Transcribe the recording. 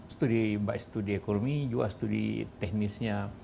jadi bahkan studi ekonomi juga studi teknisnya